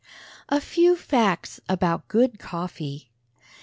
A FEW FACTS ABOUT GOOD COFFEE.